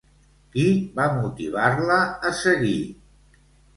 Qui va motivar-la a seguir?